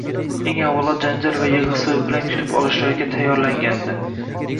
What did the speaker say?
Eng avvalo janjal va yig`i-sig`i bilan kutib olishlariga tayyorlangandi